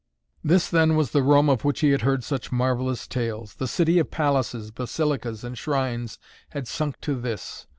This then was the Rome of which he had heard such marvelous tales! The city of palaces, basilicas and shrines had sunk to this!